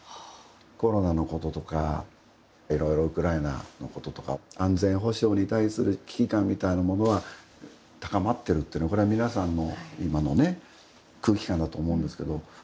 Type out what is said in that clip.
コロナのこととかいろいろウクライナのこととか安全保障に対する危機感みたいなものは高まってるってのはこれは皆さんの今のね空気感だと思うんですけど。